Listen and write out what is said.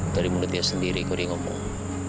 atau di mulut dia sendiri kok dia ngomong